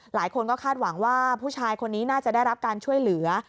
หลายคนก็คาดหวังว่าผู้ชายคนนี้น่าจะได้รับการช่วยเหลือ